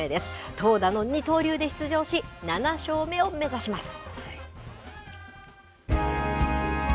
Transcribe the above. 投打の二刀流で出場し、７勝目を目指します。